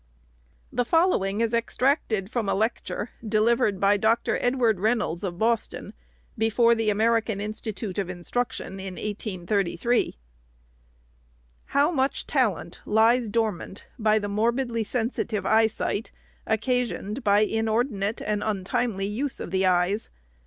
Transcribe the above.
The following is extracted from a lecture, delivered by Dr. Edward Reynolds, of Boston, before the American Institute of Instruction, in 1833. " How much talent lies dormant by the morbidly sensitive eyesight, occasioned by inordinate and untimely use of the eyes